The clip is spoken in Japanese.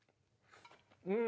うん！